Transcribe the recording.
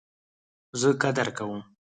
زه قدر کوم